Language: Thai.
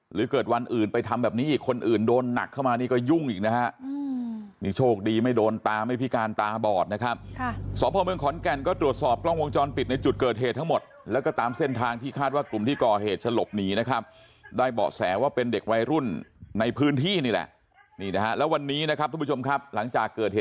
หรือเกิดวันอื่นไปทำแบบนี้อีกคนอื่นโดนหนักเข้ามานี่ก็ยุ่งอีกนะฮะ